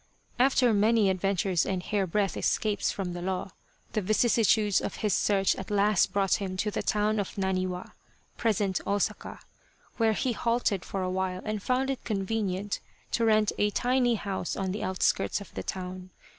After many adventures and hairbreadth escapes from the law, the vicissitudes of his search at last brought him to the town of Naniwa (present Osaka) where he halted for a while and found it convenient to rent a tiny house on the outskirts of the town.